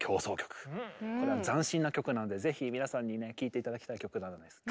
これは斬新な曲なんでぜひ皆さんにね聴いて頂きたい曲なんです。